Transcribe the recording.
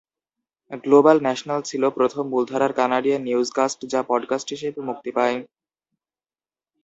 Global national ছিল প্রথম মূলধারার কানাডিয়ান নিউজকাস্ট যা পডকাস্ট হিসেবে মুক্তি পায়।